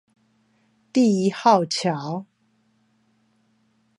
第一號橋